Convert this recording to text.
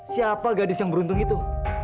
siapa gadis yang beruntung itu